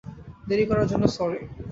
দেরি করার জন্য সরি।